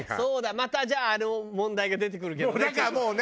またじゃああの問題が出てくるけどね。